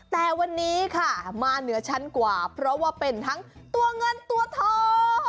แต่วันนี้ค่ะมาเหนือชั้นกว่าเพราะว่าเป็นทั้งตัวเงินตัวทอง